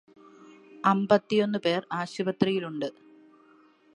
അമ്പത്തിയൊന്നു പേര് ആശുപത്രിയിലുണ്ട്.